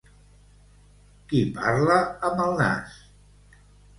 Qui parla amb el nas.